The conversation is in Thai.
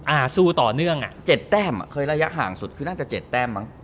อ่าสู้ต่อเนื่องอ่ะเจ็ดแต้มอ่ะเคยระยะห่างสุดคือน่าจะเจ็ดแต้มมั้ง